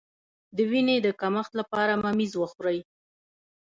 د وینې د کمښت لپاره ممیز وخورئ